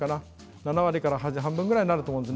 ７割から半分になると思います。